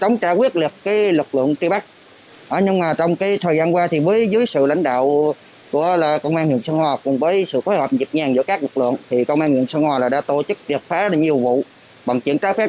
giữa các lực lượng công an huyện sơn hòa đã tổ chức được phá nhiều vụ bằng chuyển trái phép